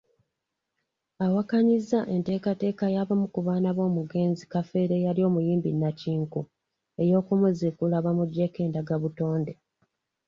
Awakanyizza enteekateeka y'abamu ku baana b'omugenzi Kafeero eyali omuyimbi nnakinku, ey'okumuziikula bamuggyeko endagabutonde.